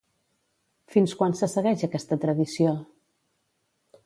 Fins quan se segueix aquesta tradició?